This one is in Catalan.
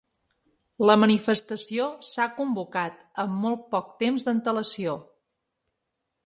La manifestació s’ha convocat amb molt poc temps d’antelació.